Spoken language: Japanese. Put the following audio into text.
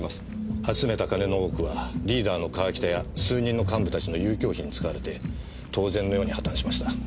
集めた金の多くはリーダーの川北や数人の幹部たちの遊興費に使われて当然のように破綻しました。